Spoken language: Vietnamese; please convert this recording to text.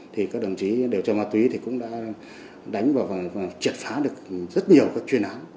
thì các đồng chí điều tra ma túy cũng đã đánh vào và triệt phá được rất nhiều chuyện